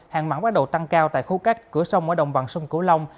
hàng mặn bắt đầu tăng cao tại khu cách cửa sông ở đồng bằng sông cửu long